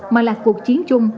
mà là cuộc chiến chung